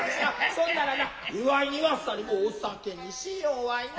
そんならな祝いにもうお酒にしようわいなァ。